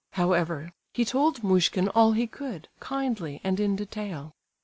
However, he told Muishkin all he could, kindly and in detail.